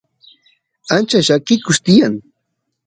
ancha llakikun tiyan